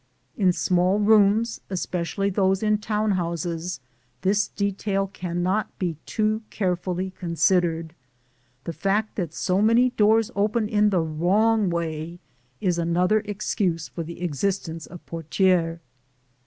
In small rooms, especially those in town houses, this detail cannot be too carefully considered. The fact that so many doors open in the wrong way is another excuse for the existence of portières.